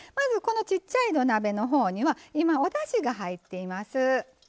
ちっちゃい土鍋のほうには今、おだしが入っています。